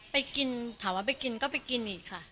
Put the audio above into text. ไปกินถามว่าไปกินก็ไปกินอีกค่ะ